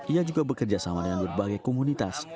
ia juga bekerja sama dengan berbagai komunitas